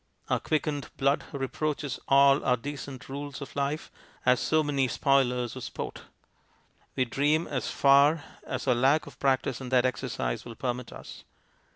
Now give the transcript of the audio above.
Our quickened blood reproaches all our decent rules of life as so many spoilers of sport. We dream as far as our lack of practice in that exercise will permit us.